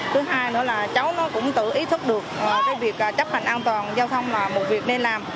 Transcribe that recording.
thứ hai nữa là cháu nó cũng tự ý thức được cái việc chấp hành an toàn giao thông là một việc nên làm